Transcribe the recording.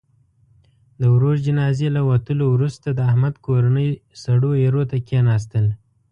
د ورور جنازې له وتلو وروسته، د احمد کورنۍ سړو ایرو ته کېناستل.